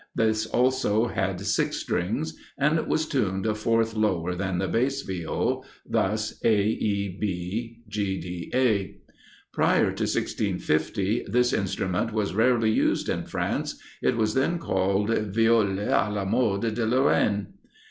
This also had six strings, and was tuned a fourth lower than the Bass Viol, thus A, E, B, G, D, A. Prior to 1650, this instrument was rarely used in France, it was then called "Viole à la mode de Lorraine."